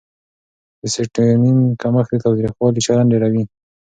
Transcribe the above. د سېرټونین کمښت د تاوتریخوالي چلند ډېروي.